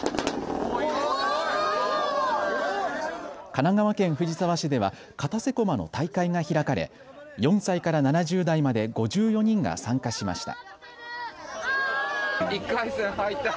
神奈川県藤沢市では片瀬こまの大会が開かれ４歳から７０代まで５４人が参加しました。